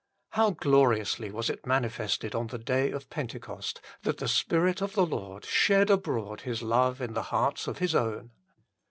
How gloriously was it manifested on the day of Pentecost that the Spirit of the Lord shed abroad His love in the hearts of His own.